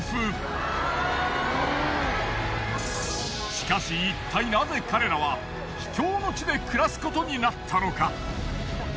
しかしいったいナゼ彼らは秘境の地で暮らすことになったのか。